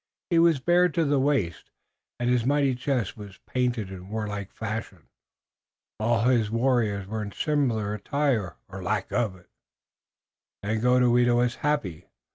He was bare to the waist and his mighty chest was painted in warlike fashion. All his warriors were in similar attire or lack of it. Daganoweda was happy.